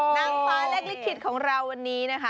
นางฟ้าเล็กลิขิตของเราวันนี้นะคะ